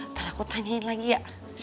ntar aku tanyain lagi ya